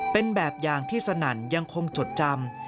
เป็นแบบอย่างที่สนั่นยังคงจดจำ